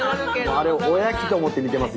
あれをおやきと思って見てます